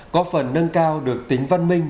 có phần nâng cao được tính văn minh